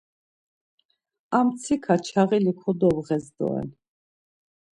Ar mtsiǩa çağili kodobğes doren.